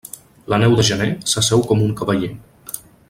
La neu de gener s'asseu com un cavaller.